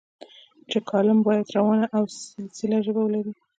چې کالم باید روانه او سلیسه ژبه ولري.